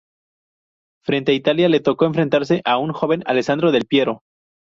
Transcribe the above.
Frente a Italia le tocó enfrentarse a un joven Alessandro Del Piero.